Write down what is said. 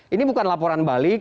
ini bukan laporan balik